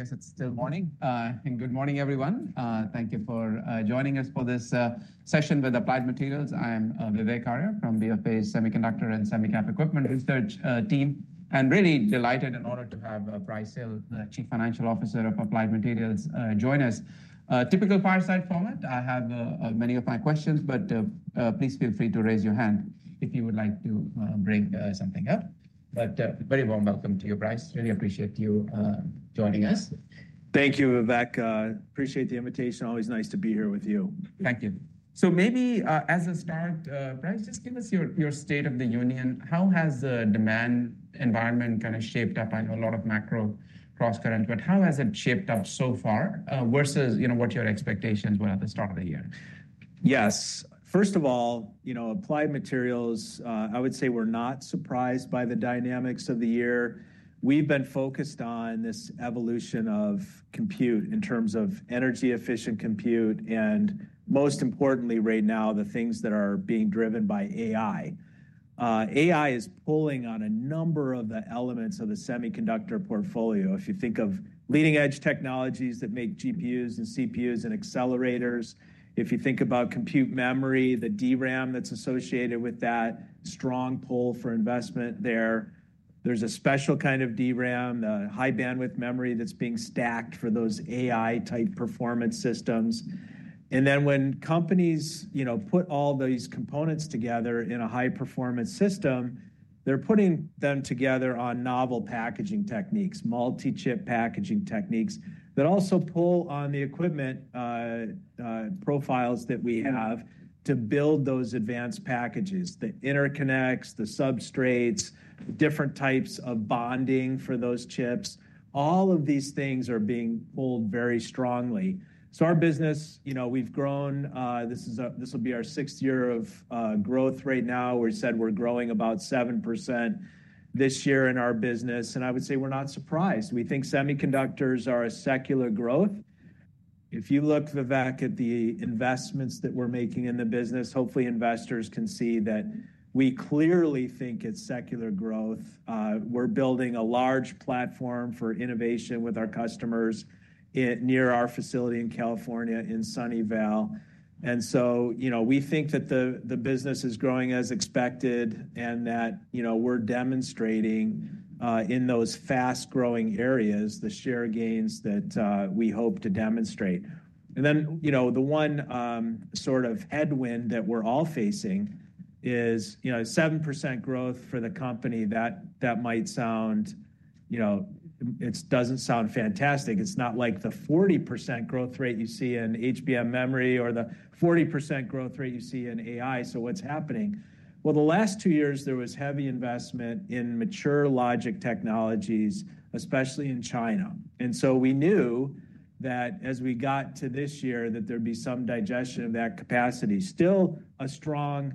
I guess it's still morning. Good morning, everyone. Thank you for joining us for this session with Applied Materials. I'm Vivek Arya from Bank of America Semiconductor and Semiconductor Equipment Research Team, and really delighted and honored to have Brice Hill, Chief Financial Officer of Applied Materials, join us. Typical fireside format. I have many of my questions, but please feel free to raise your hand if you would like to bring something up. Very warm welcome to you, Brice. Really appreciate you joining us. Thank you, Vivek. Appreciate the invitation. Always nice to be here with you. Thank you. Maybe as a start, Brice, just give us your state of the union. How has the demand environment kind of shaped up? I know a lot of macro cross-current, but how has it shaped up so far versus what your expectations were at the start of the year? Yes. First of all, you know, Applied Materials, I would say we're not surprised by the dynamics of the year. We've been focused on this evolution of compute in terms of energy-efficient compute, and most importantly right now, the things that are being driven by AI. AI is pulling on a number of the elements of the semiconductor portfolio. If you think of leading-edge technologies that make GPUs and CPUs and accelerators, if you think about compute memory, the DRAM that's associated with that, strong pull for investment there. There's a special kind of DRAM, the high-bandwidth memory that's being stacked for those AI-type performance systems. When companies put all those components together in a high-performance system, they're putting them together on novel packaging techniques, multi-chip packaging techniques that also pull on the equipment profiles that we have to build those advanced packages, the interconnects, the substrates, different types of bonding for those chips. All of these things are being pulled very strongly. Our business, you know, we've grown. This will be our sixth year of growth right now. We said we're growing about 7% this year in our business. I would say we're not surprised. We think semiconductors are a secular growth. If you look, Vivek, at the investments that we're making in the business, hopefully investors can see that we clearly think it's secular growth. We're building a large platform for innovation with our customers near our facility in California in Sunnyvale. You know, we think that the business is growing as expected and that, you know, we're demonstrating in those fast-growing areas the share gains that we hope to demonstrate. You know, the one sort of headwind that we're all facing is, you know, 7% growth for the company. That might sound, you know, it doesn't sound fantastic. It's not like the 40% growth rate you see in HBM memory or the 40% growth rate you see in AI. What's happening? The last two years, there was heavy investment in mature logic technologies, especially in China. We knew that as we got to this year, there would be some digestion of that capacity. Still a strong,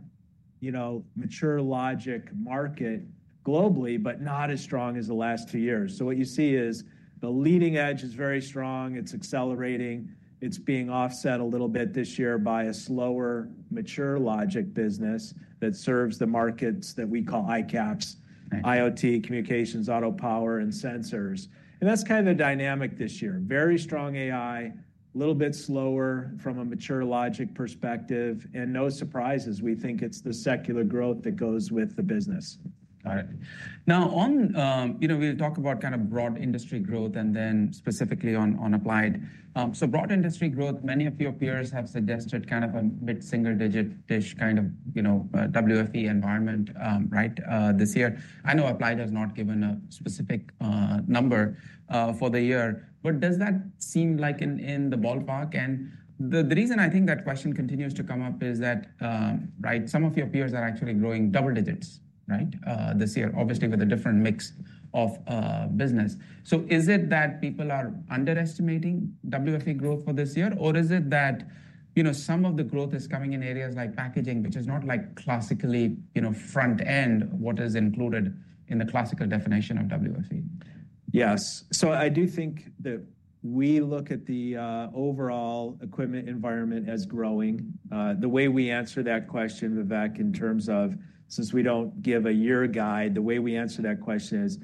you know, mature logic market globally, but not as strong as the last two years. What you see is the leading edge is very strong. It's accelerating. It's being offset a little bit this year by a slower mature logic business that serves the markets that we call ICAPS: IoT, Communications, Auto, Power, and sensors. That's kind of the dynamic this year. Very strong AI, a little bit slower from a mature logic perspective. No surprises, we think it's the secular growth that goes with the business. All right. Now, you know, we talk about kind of broad industry growth and then specifically on Applied Materials. Broad industry growth, many of your peers have suggested kind of a mid-single-digit-ish kind of, you know, WFE environment, right, this year. I know Applied Materials has not given a specific number for the year, but does that seem like in the ballpark? The reason I think that question continues to come up is that, right, some of your peers are actually growing double digits, right, this year, obviously with a different mix of business. Is it that people are underestimating WFE growth for this year, or is it that, you know, some of the growth is coming in areas like packaging, which is not like classically, you know, front-end what is included in the classical definition of WFE? Yes. I do think that we look at the overall equipment environment as growing. The way we answer that question, Vivek, in terms of, since we do not give a year guide, the way we answer that question is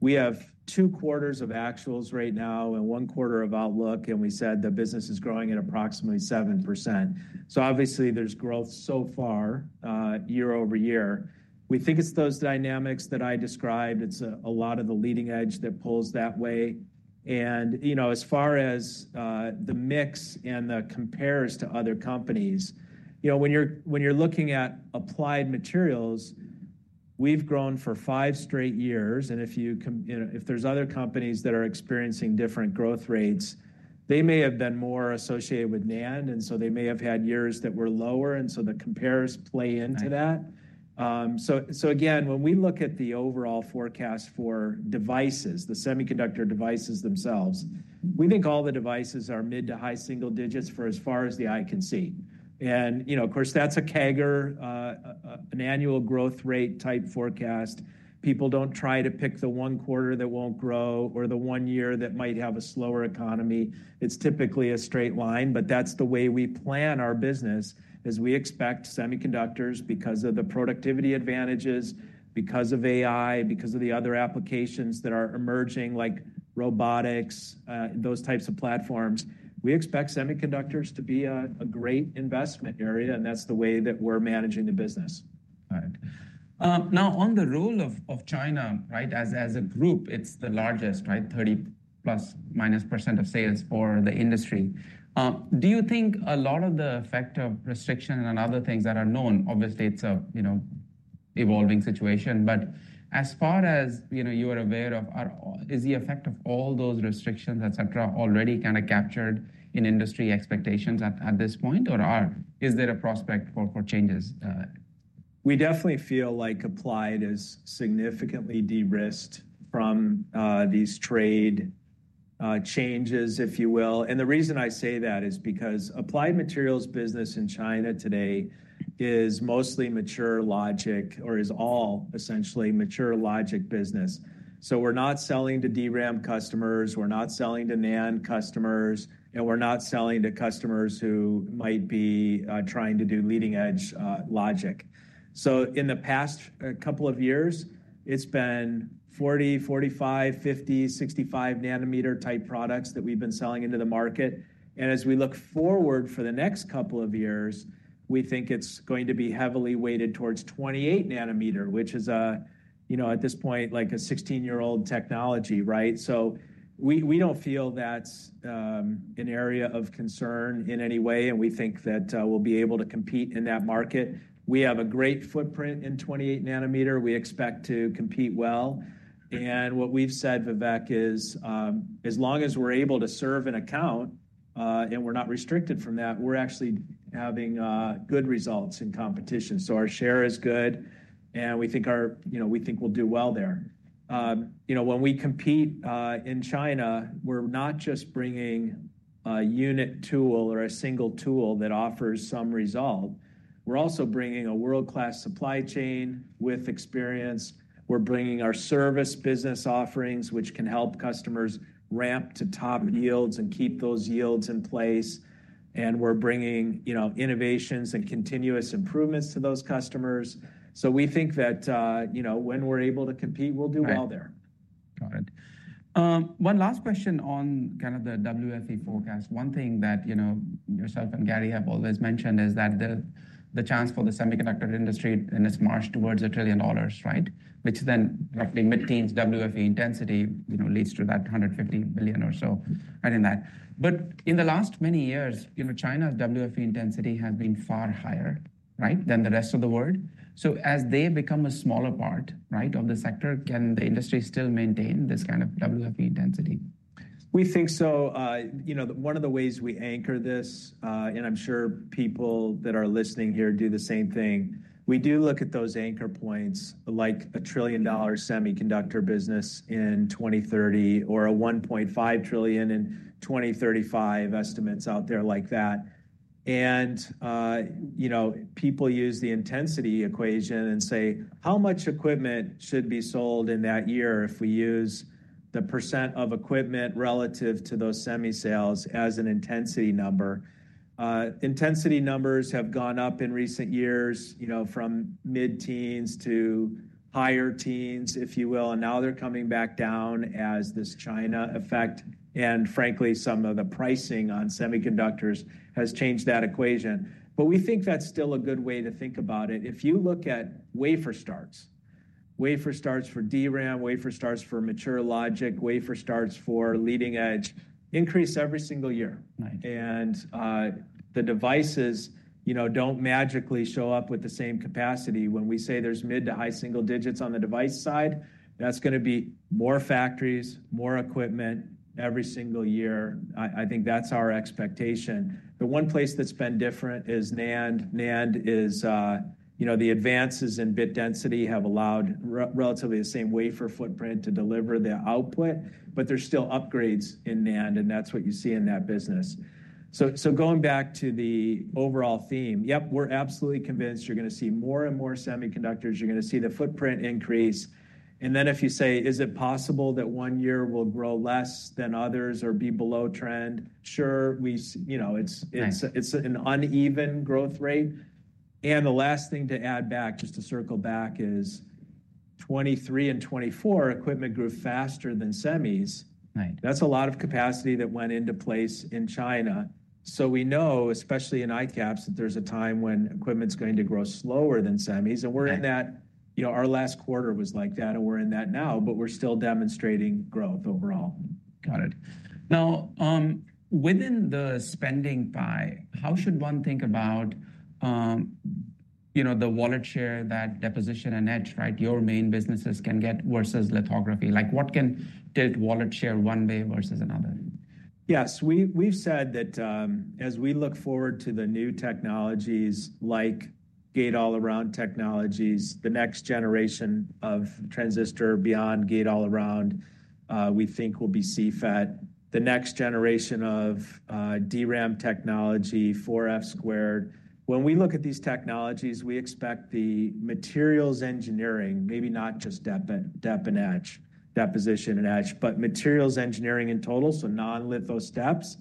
we have two quarters of actuals right now and one quarter of outlook, and we said the business is growing at approximately 7%. Obviously there is growth so far year over year. We think it is those dynamics that I described. It is a lot of the leading edge that pulls that way. You know, as far as the mix and the compares to other companies, you know, when you are looking at Applied Materials, we have grown for five straight years. If there are other companies that are experiencing different growth rates, they may have been more associated with NAND, and they may have had years that were lower. The compares play into that. When we look at the overall forecast for devices, the semiconductor devices themselves, we think all the devices are mid to high single digits for as far as the eye can see. Of course, that is a kegger, an annual growth rate type forecast. People do not try to pick the one quarter that will not grow or the one year that might have a slower economy. It is typically a straight line, but that is the way we plan our business. We expect semiconductors, because of the productivity advantages, because of AI, because of the other applications that are emerging like robotics, those types of platforms. We expect semiconductors to be a great investment area, and that's the way that we're managing the business. All right. Now, on the role of China, right, as a group, it's the largest, right, 30%± of sales for the industry. Do you think a lot of the effect of restriction and other things that are known, obviously it's a, you know, evolving situation, but as far as, you know, you are aware of, is the effect of all those restrictions, et cetera, already kind of captured in industry expectations at this point, or is there a prospect for changes? We definitely feel like Applied Materials is significantly de-risked from these trade changes, if you will. The reason I say that is because Applied Materials business in China today is mostly mature logic or is all essentially mature logic business. We're not selling to DRAM customers, we're not selling to NAND customers, and we're not selling to customers who might be trying to do leading edge logic. In the past couple of years, it's been 40, 45, 50, 65 nanometer type products that we've been selling into the market. As we look forward for the next couple of years, we think it's going to be heavily weighted towards 28 nanometer, which is a, you know, at this point, like a 16-year-old technology, right? We don't feel that's an area of concern in any way, and we think that we'll be able to compete in that market. We have a great footprint in 28 nanometer. We expect to compete well. What we've said, Vivek, is as long as we're able to serve an account, and we're not restricted from that, we're actually having good results in competition. Our share is good, and we think our, you know, we think we'll do well there. You know, when we compete in China, we're not just bringing a unit tool or a single tool that offers some result. We're also bringing a world-class supply chain with experience. We're bringing our service business offerings, which can help customers ramp to top yields and keep those yields in place. We're bringing, you know, innovations and continuous improvements to those customers. We think that, you know, when we're able to compete, we'll do well there. Got it. One last question on kind of the WFE forecast. One thing that, you know, yourself and Gary have always mentioned is that the chance for the semiconductor industry in its march towards a trillion dollars, right, which then roughly mid-teens WFE intensity, you know, leads to that $150 billion or so, adding that. In the last many years, you know, China's WFE intensity has been far higher, right, than the rest of the world. As they become a smaller part, right, of the sector, can the industry still maintain this kind of WFE intensity? We think so. You know, one of the ways we anchor this, and I'm sure people that are listening here do the same thing, we do look at those anchor points like a trillion dollar semiconductor business in 2030 or a $1.5 trillion in 2035 estimates out there like that. You know, people use the intensity equation and say, how much equipment should be sold in that year if we use the percent of equipment relative to those semi sales as an intensity number. Intensity numbers have gone up in recent years, you know, from mid-teens to higher teens, if you will, and now they're coming back down as this China effect. Frankly, some of the pricing on semiconductors has changed that equation. We think that's still a good way to think about it. If you look at wafer starts, wafer starts for DRAM, wafer starts for mature logic, wafer starts for leading edge, increase every single year. And the devices, you know, do not magically show up with the same capacity. When we say there is mid to high single digits on the device side, that is going to be more factories, more equipment every single year. I think that is our expectation. The one place that has been different is NAND. NAND is, you know, the advances in bit density have allowed relatively the same wafer footprint to deliver the output, but there are still upgrades in NAND, and that is what you see in that business. Going back to the overall theme, yep, we are absolutely convinced you are going to see more and more semiconductors. You are going to see the footprint increase. If you say, is it possible that one year will grow less than others or be below trend? Sure, we, you know, it's an uneven growth rate. The last thing to add back, just to circle back, is 2023 and 2024, equipment grew faster than semis. That's a lot of capacity that went into place in China. We know, especially in ICAPS, that there's a time when equipment's going to grow slower than semis. We're in that, you know, our last quarter was like that, and we're in that now, but we're still demonstrating growth overall. Got it. Now, within the spending pie, how should one think about, you know, the wallet share that deposition and etch, right, your main businesses, can get versus lithography? Like what can tilt wallet share one way versus another? Yes, we've said that as we look forward to the new technologies like gate all-around technologies, the next generation of transistor beyond gate all-around, we think will be CFET. The next generation of DRAM technology, 4F². When we look at these technologies, we expect the materials engineering, maybe not just depth and edge, deposition and edge, but materials engineering in total, so non-lithosteps.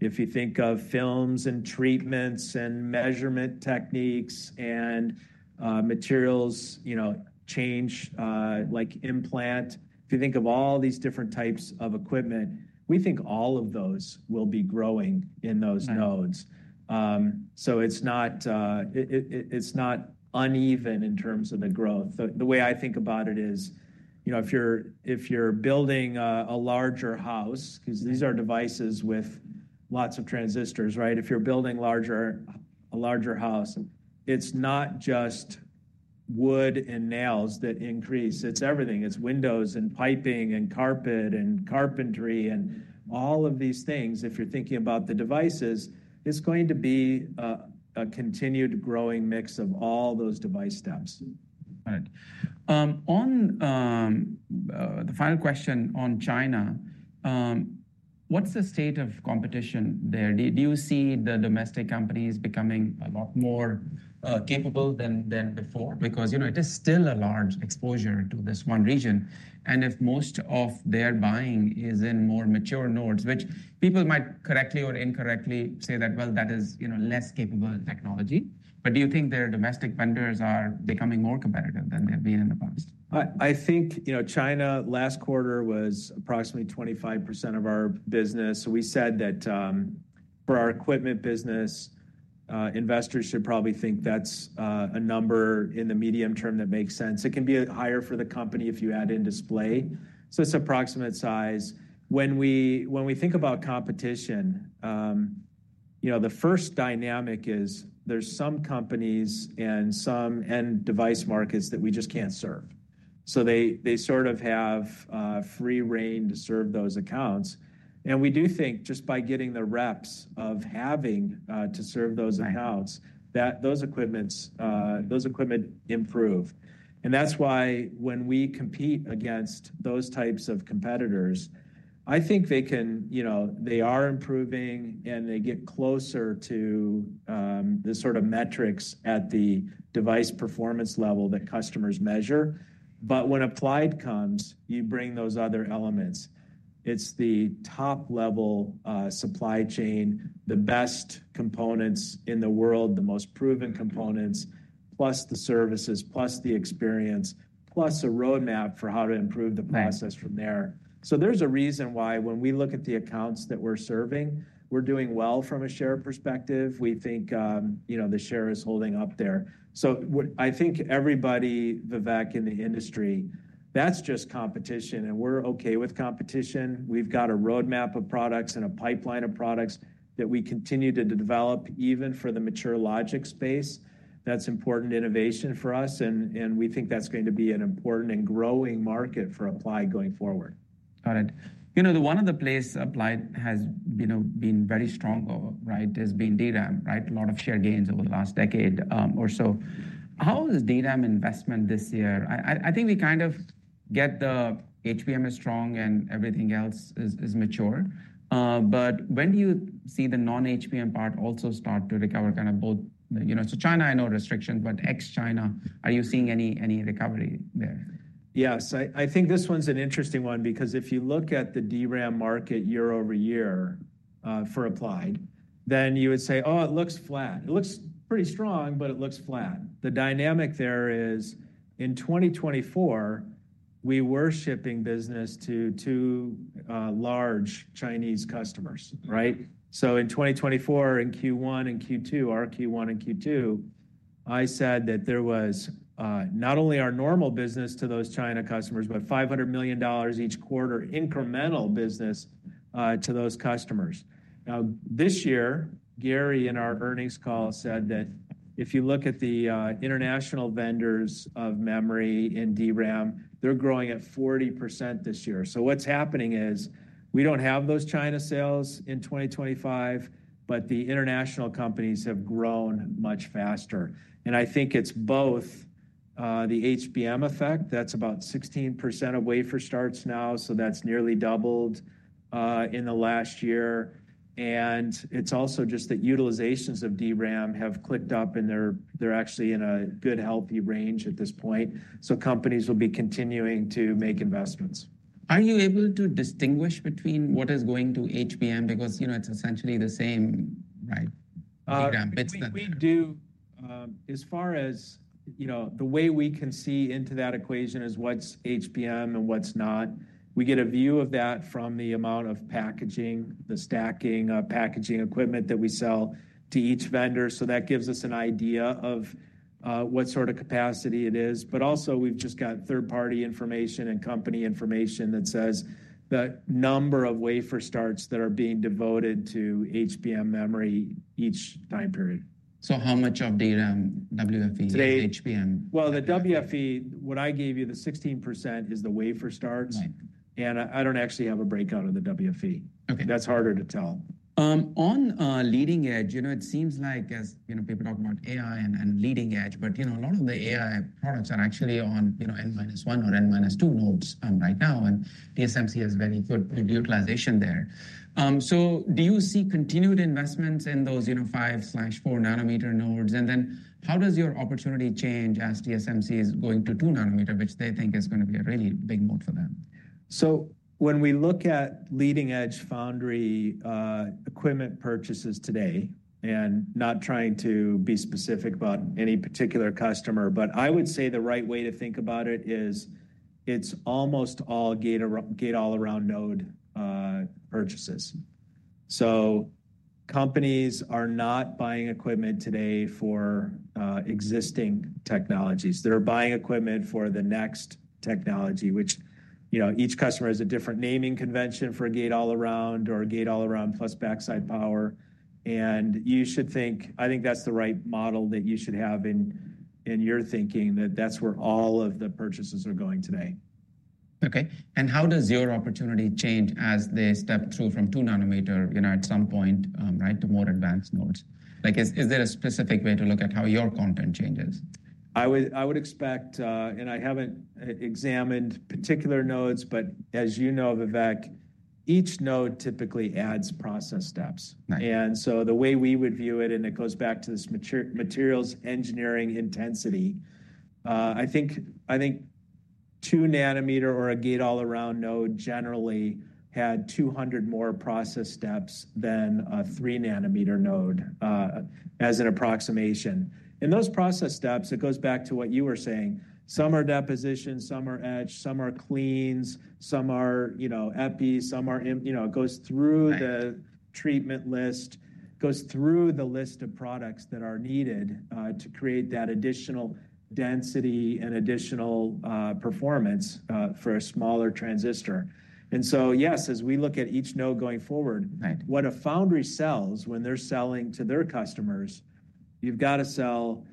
If you think of films and treatments and measurement techniques and materials, you know, change like implant, if you think of all these different types of equipment, we think all of those will be growing in those nodes. It's not uneven in terms of the growth. The way I think about it is, you know, if you're building a larger house, because these are devices with lots of transistors, right, if you're building a larger house, it's not just wood and nails that increase. It's everything. It's windows and piping and carpet and carpentry and all of these things. If you're thinking about the devices, it's going to be a continued growing mix of all those device steps. All right. On the final question on China, what's the state of competition there? Do you see the domestic companies becoming a lot more capable than before? Because, you know, it is still a large exposure to this one region. If most of their buying is in more mature nodes, which people might correctly or incorrectly say that is, you know, less capable technology, do you think their domestic vendors are becoming more competitive than they've been in the past? I think, you know, China last quarter was approximately 25% of our business. We said that for our equipment business, investors should probably think that's a number in the medium term that makes sense. It can be higher for the company if you add in display. It's approximate size. When we think about competition, you know, the first dynamic is there's some companies and some end device markets that we just can't serve. They sort of have free reign to serve those accounts. We do think just by getting the reps of having to serve those accounts, that those equipment improve. That's why when we compete against those types of competitors, I think they can, you know, they are improving and they get closer to the sort of metrics at the device performance level that customers measure. When Applied comes, you bring those other elements. It is the top-level supply chain, the best components in the world, the most proven components, plus the services, plus the experience, plus a roadmap for how to improve the process from there. There is a reason why when we look at the accounts that we are serving, we are doing well from a share perspective. We think, you know, the share is holding up there. I think everybody, Vivek, in the industry, that is just competition, and we are okay with competition. We have got a roadmap of products and a pipeline of products that we continue to develop even for the mature logic space. That is important innovation for us, and we think that is going to be an important and growing market for Applied Materials going forward. Got it. You know, one of the places Applied Materials has been very strong, right, has been DRAM, right? A lot of share gains over the last decade or so. How is DRAM investment this year? I think we kind of get the HBM is strong and everything else is mature. When do you see the non-HBM part also start to recover, kind of both, you know, so China I know restrictions, but ex-China, are you seeing any recovery there? Yes, I think this one's an interesting one because if you look at the DRAM market year over year for Applied Materials, then you would say, oh, it looks flat. It looks pretty strong, but it looks flat. The dynamic there is in 2024, we were shipping business to two large Chinese customers, right? In 2024, in Q1 and Q2, our Q1 and Q2, I said that there was not only our normal business to those China customers, but $500 million each quarter incremental business to those customers. Now this year, Gary in our earnings call said that if you look at the international vendors of memory in DRAM, they're growing at 40% this year. What's happening is we don't have those China sales in 2025, but the international companies have grown much faster. I think it's both the HBM effect, that's about 16% of wafer starts now, so that's nearly doubled in the last year. It's also just that utilizations of DRAM have clicked up and they're actually in a good healthy range at this point. Companies will be continuing to make investments. Are you able to distinguish between what is going to HBM because, you know, it's essentially the same, right? I think we do, as far as, you know, the way we can see into that equation is what's HBM and what's not. We get a view of that from the amount of packaging, the stacking of packaging equipment that we sell to each vendor. That gives us an idea of what sort of capacity it is. We have just got third-party information and company information that says the number of wafer starts that are being devoted to HBM memory each time period. How much of DRAM, WFE, HBM? The WFE, what I gave you, the 16% is the wafer starts. I do not actually have a breakout of the WFE. That is harder to tell. On leading edge, you know, it seems like as, you know, people talk about AI and leading edge, but, you know, a lot of the AI products are actually on, you know, N - 1 or N - 2 nodes right now. TSMC has very good utilization there. Do you see continued investments in those, you know, 5/4 nanometer nodes? How does your opportunity change as TSMC is going to 2 nanometer, which they think is going to be a really big move for them? When we look at leading edge foundry equipment purchases today, and not trying to be specific about any particular customer, I would say the right way to think about it is it's almost all gate all-around node purchases. Companies are not buying equipment today for existing technologies. They're buying equipment for the next technology, which, you know, each customer has a different naming convention for a gate all-around or a gate all-around plus backside power. I think that's the right model that you should have in your thinking that that's where all of the purchases are going today. Okay. How does your opportunity change as they step through from 2 nanometer, you know, at some point, right, to more advanced nodes? Like is there a specific way to look at how your content changes? I would expect, and I haven't examined particular nodes, but as you know, Vivek, each node typically adds process steps. The way we would view it, and it goes back to this materials engineering intensity. I think two nanometer or a gate all-around node generally had 200 more process steps than a three nanometer node as an approximation. Those process steps, it goes back to what you were saying. Some are deposition, some are etch, some are cleans, some are, you know, Epi, some are, you know, it goes through the treatment list, goes through the list of products that are needed to create that additional density and additional performance for a smaller transistor. Yes, as we look at each node going forward, what a foundry sells when they're selling to their customers, you've got to sell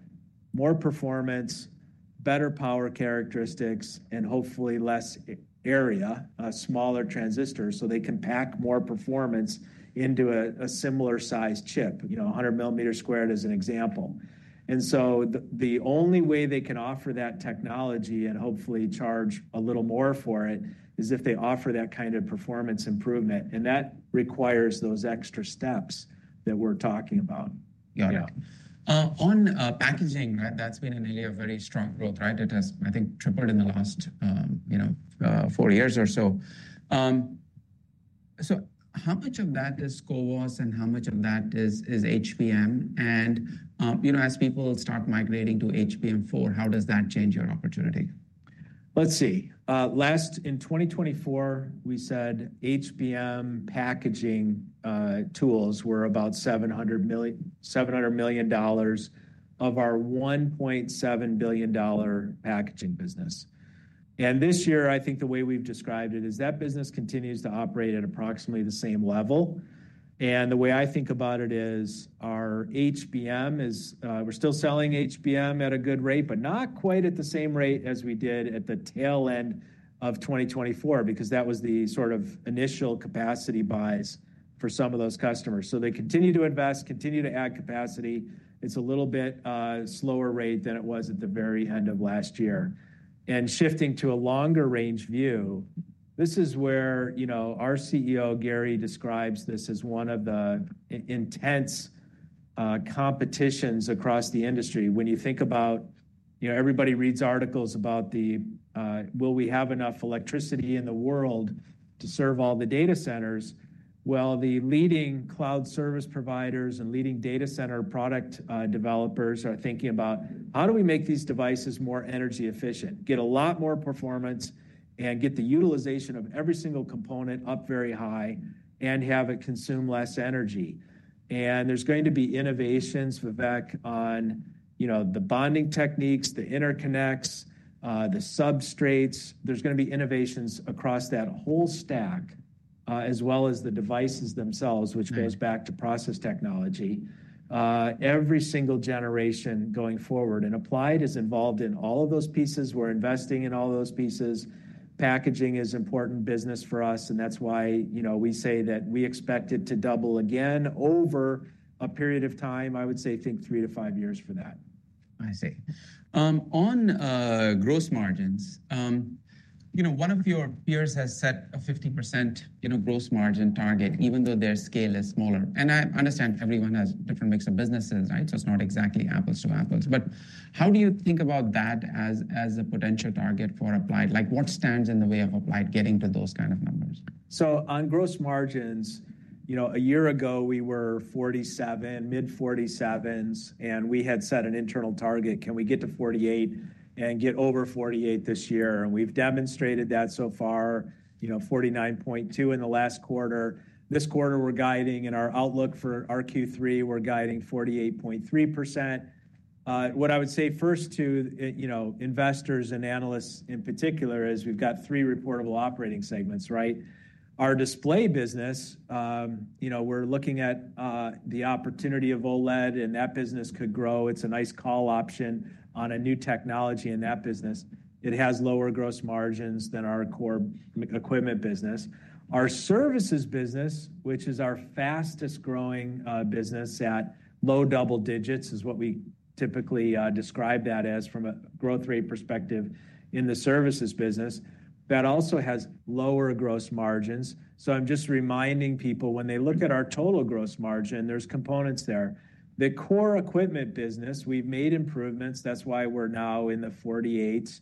more performance, better power characteristics, and hopefully less area, a smaller transistor, so they can pack more performance into a similar size chip, you know, 100 mm squared as an example. The only way they can offer that technology and hopefully charge a little more for it is if they offer that kind of performance improvement. That requires those extra steps that we're talking about. Got it. On packaging, right, that's been an area of very strong growth, right? It has, I think, tripled in the last, you know, four years or so. How much of that is CoWoS and how much of that is HBM? And, you know, as people start migrating to HBM4, how does that change your opportunity? Let's see. Last, in 2024, we said HBM packaging tools were about $700 million of our $1.7 billion packaging business. This year, I think the way we've described it is that business continues to operate at approximately the same level. The way I think about it is our HBM is, we're still selling HBM at a good rate, but not quite at the same rate as we did at the tail end of 2024, because that was the sort of initial capacity buys for some of those customers. They continue to invest, continue to add capacity. It's a little bit slower rate than it was at the very end of last year. Shifting to a longer range view, this is where, you know, our CEO, Gary, describes this as one of the intense competitions across the industry. When you think about, you know, everybody reads articles about the, will we have enough electricity in the world to serve all the data centers? The leading cloud service providers and leading data center product developers are thinking about how do we make these devices more energy efficient, get a lot more performance, and get the utilization of every single component up very high and have it consume less energy. There's going to be innovations, Vivek, on, you know, the bonding techniques, the interconnects, the substrates. There's going to be innovations across that whole stack, as well as the devices themselves, which goes back to process technology. Every single generation going forward, and Applied Materials is involved in all of those pieces. We're investing in all those pieces. Packaging is important business for us. That is why, you know, we say that we expect it to double again over a period of time. I would say, I think 3-5 years for that. I see. On gross margins, you know, one of your peers has set a 50% gross margin target, even though their scale is smaller. And I understand everyone has different mix of businesses, right? So it's not exactly apples to apples. But how do you think about that as a potential target for Applied Materials? Like what stands in the way of Applied Materials getting to those kinds of numbers? On gross margins, you know, a year ago, we were 47%, mid 47s, and we had set an internal target. Can we get to 48% and get over 48% this year? We've demonstrated that so far, you know, 49.2% in the last quarter. This quarter, we're guiding in our outlook for our Q3, we're guiding 48.3%. What I would say first to, you know, investors and analysts in particular is we've got three reportable operating segments, right? Our display business, you know, we're looking at the opportunity of OLED and that business could grow. It's a nice call option on a new technology in that business. It has lower gross margins than our core equipment business. Our services business, which is our fastest growing business at low double digits, is what we typically describe that as from a growth rate perspective in the services business. That also has lower gross margins. I am just reminding people when they look at our total gross margin, there are components there. The core equipment business, we have made improvements. That is why we are now in the 48s.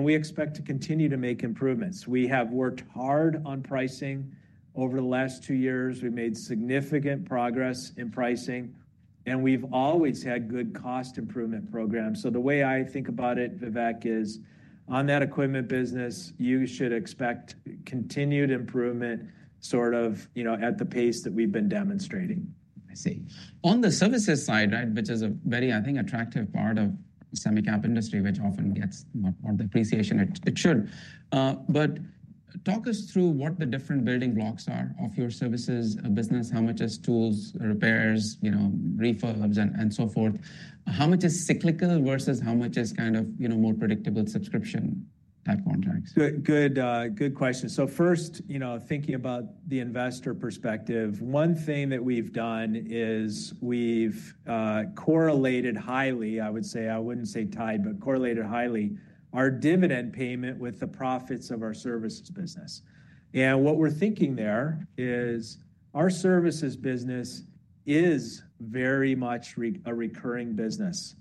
We expect to continue to make improvements. We have worked hard on pricing over the last two years. We have made significant progress in pricing. We have always had good cost improvement programs. The way I think about it, Vivek, is on that equipment business, you should expect continued improvement sort of, you know, at the pace that we have been demonstrating. I see. On the services side, right, which is a very, I think, attractive part of the semicap industry, which often gets more appreciation than it should. Talk us through what the different building blocks are of your services business. How much is tools, repairs, you know, refurbs and so forth? How much is cyclical versus how much is kind of, you know, more predictable subscription type contracts? Good, good question. First, you know, thinking about the investor perspective, one thing that we've done is we've correlated highly, I would say, I would not say tied, but correlated highly our dividend payment with the profits of our services business. What we're thinking there is our services business is very much a recurring business.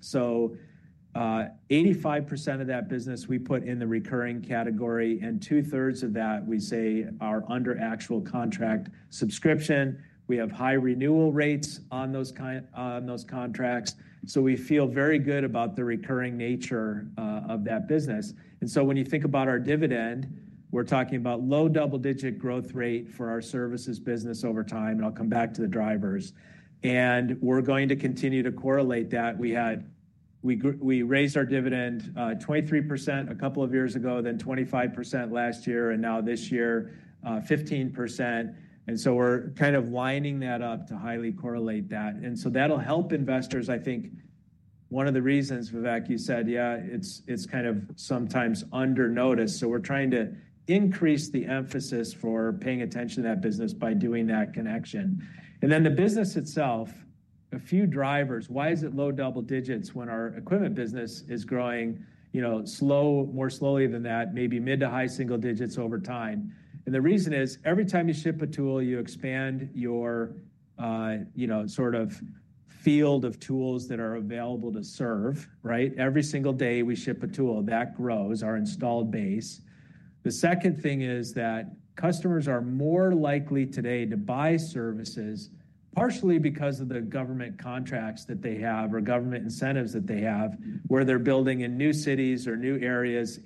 85% of that business we put in the recurring category and 2/3 of that we say are under actual contract subscription. We have high renewal rates on those contracts. We feel very good about the recurring nature of that business. When you think about our dividend, we're talking about low double-digit growth rate for our services business over time. I'll come back to the drivers. We're going to continue to correlate that. We had, we raised our dividend 23% a couple of years ago, then 25% last year, and now this year 15%. We are kind of lining that up to highly correlate that. That will help investors, I think. One of the reasons, Vivek, you said, yeah, it is kind of sometimes under notice. We are trying to increase the emphasis for paying attention to that business by doing that connection. The business itself, a few drivers, why is it low double digits when our equipment business is growing, you know, more slowly than that, maybe mid to high single digits over time? The reason is every time you ship a tool, you expand your, you know, sort of field of tools that are available to serve, right? Every single day we ship a tool that grows our installed base. The second thing is that customers are more likely today to buy services partially because of the government contracts that they have or government incentives that they have where they're building in new cities or new areas.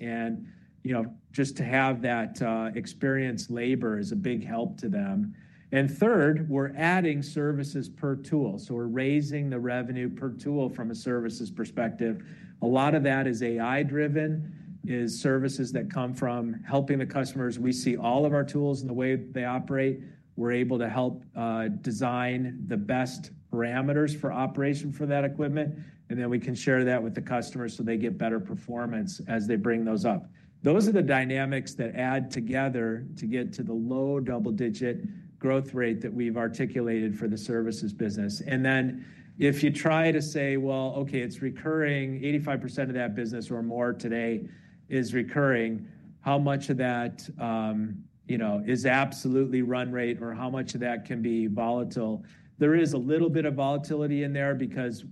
You know, just to have that experienced labor is a big help to them. Third, we're adding services per tool. We're raising the revenue per tool from a services perspective. A lot of that is AI driven, is services that come from helping the customers. We see all of our tools and the way they operate. We're able to help design the best parameters for operation for that equipment. Then we can share that with the customers so they get better performance as they bring those up. Those are the dynamics that add together to get to the low double digit growth rate that we've articulated for the services business. If you try to say, okay, it's recurring, 85% of that business or more today is recurring. How much of that, you know, is absolutely run rate or how much of that can be volatile? There is a little bit of volatility in there because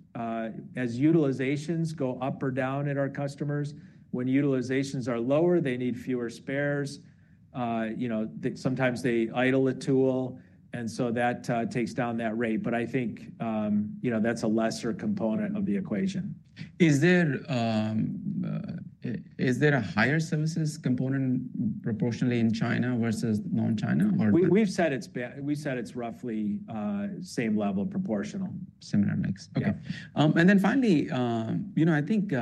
as utilizations go up or down at our customers, when utilizations are lower, they need fewer spares. You know, sometimes they idle a tool. That takes down that rate. I think, you know, that's a lesser component of the equation. Is there a higher services component proportionally in China versus non-China? We've said it's roughly same level, proportional, similar mix. Okay. And then finally, you know, I think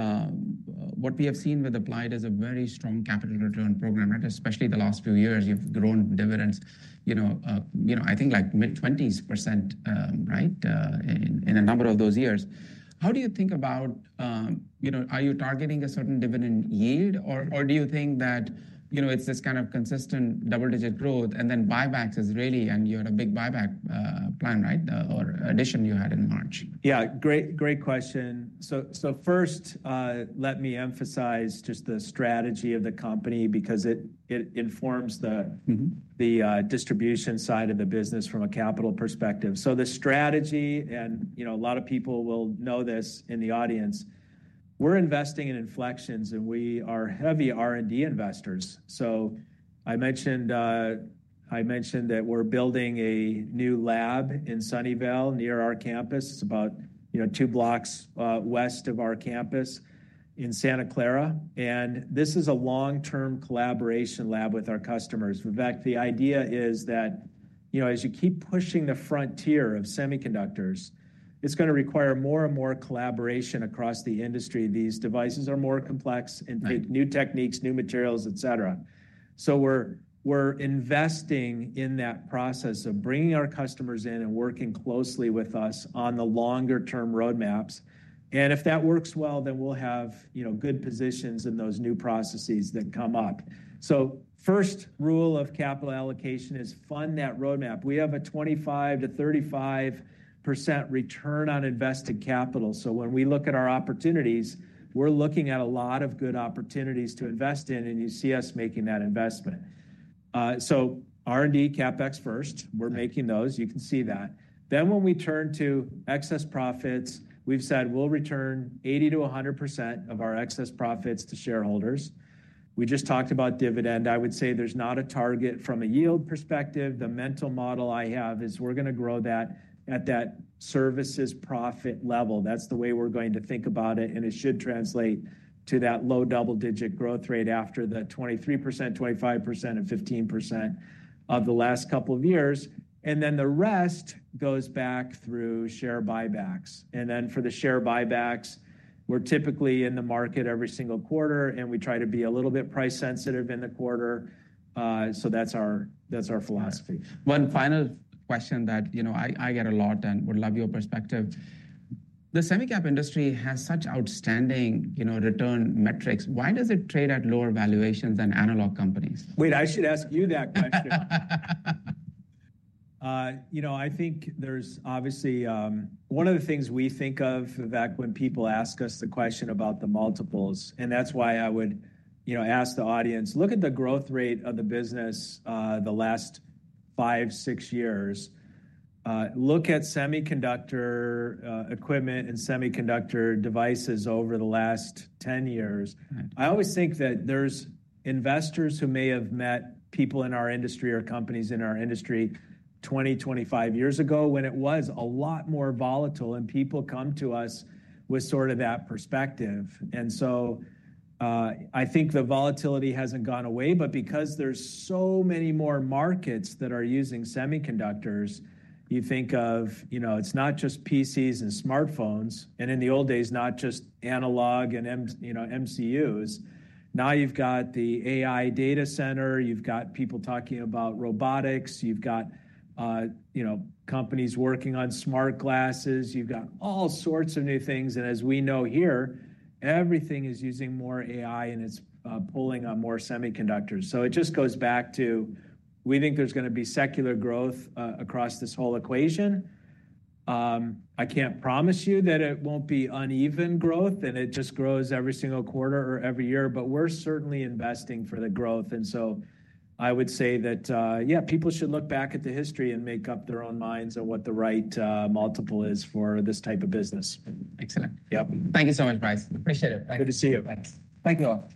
what we have seen with Applied Materials is a very strong capital return program, right? Especially the last few years, you've grown dividends, you know, I think like mid 20s %, right? In a number of those years. How do you think about, you know, are you targeting a certain dividend yield or do you think that, you know, it's this kind of consistent double digit growth and then buybacks is really, and you had a big buyback plan, right? Or addition you had in March. Yeah, great, great question. First, let me emphasize just the strategy of the company because it informs the distribution side of the business from a capital perspective. The strategy and, you know, a lot of people will know this in the audience. We're investing in inflections and we are heavy R&D investors. I mentioned that we're building a new lab in Sunnyvale near our campus. It's about, you know, two blocks west of our campus in Santa Clara. This is a long-term collaboration lab with our customers. Vivek, the idea is that, you know, as you keep pushing the frontier of semiconductors, it's going to require more and more collaboration across the industry. These devices are more complex and take new techniques, new materials, et cetera. We're investing in that process of bringing our customers in and working closely with us on the longer term roadmaps. If that works well, then we'll have, you know, good positions in those new processes that come up. First rule of capital allocation is fund that roadmap. We have a 25%-35% return on invested capital. When we look at our opportunities, we're looking at a lot of good opportunities to invest in and you see us making that investment. R&D, CapEx first, we're making those. You can see that. When we turn to excess profits, we've said we'll return 80%-100% of our excess profits to shareholders. We just talked about dividend. I would say there's not a target from a yield perspective. The mental model I have is we're going to grow that at that services profit level. That's the way we're going to think about it. It should translate to that low double-digit growth rate after the 23%, 25%, and 15% of the last couple of years. The rest goes back through share buybacks. For the share buybacks, we're typically in the market every single quarter and we try to be a little bit price sensitive in the quarter. That's our philosophy. One final question that, you know, I get a lot and would love your perspective. The semicap industry has such outstanding, you know, return metrics. Why does it trade at lower valuations than analog companies? Wait, I should ask you that question. You know, I think there's obviously one of the things we think of, Vivek, when people ask us the question about the multiples, and that's why I would, you know, ask the audience, look at the growth rate of the business the last five, six years. Look at semiconductor equipment and semiconductor devices over the last 10 years. I always think that there's investors who may have met people in our industry or companies in our industry 20, 25 years ago when it was a lot more volatile and people come to us with sort of that perspective. I think the volatility hasn't gone away, but because there's so many more markets that are using semiconductors, you think of, you know, it's not just PCs and smartphones. In the old days, not just analog and, you know, MCUs. Now you've got the AI data center, you've got people talking about robotics, you've got, you know, companies working on smart glasses, you've got all sorts of new things. As we know here, everything is using more AI and it's pulling on more semiconductors. It just goes back to we think there's going to be secular growth across this whole equation. I can't promise you that it won't be uneven growth and it just grows every single quarter or every year, but we're certainly investing for the growth. I would say that, yeah, people should look back at the history and make up their own minds on what the right multiple is for this type of business. Excellent. Yep. Thank you so much, Brice. Appreciate it. Good to see you. Thank you.